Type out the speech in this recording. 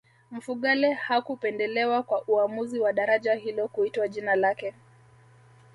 mfugale hakupendelewa kwa uamuzi wa daraja hilo kuitwa jina lake